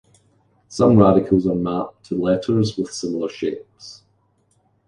Some radicals are mapped to letters with similar shapes.